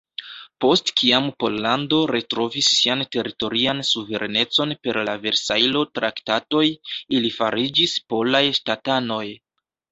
Post kiam Pollando retrovis sian teritorian suverenecon per la Versajlo-traktatoj, ili fariĝis polaj ŝtatanoj.